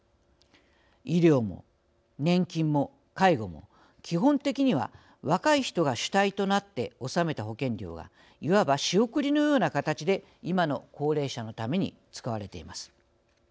医療も年金も介護も基本的には若い人が主体となって納めた保険料がいわば仕送りのような形で今の高齢者のために使われています。